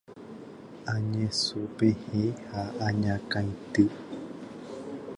añesũpehẽ ha añakãity